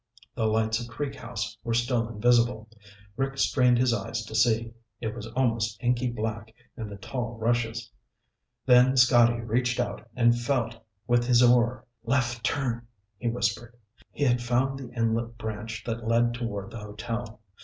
The lights of Creek House were still invisible. Rick strained his eyes to see; it was almost inky black in the tall rushes. Then Scotty reached out and felt with his oar. "Left turn," he whispered. He had found the inlet branch that led toward the hotel.